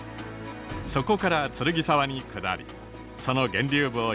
そこから剱沢に下りその源流部を彩る